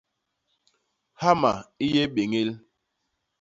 Hama i yé béñél.